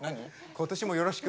今年もよろしく。